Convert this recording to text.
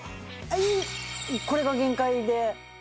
これが限界で。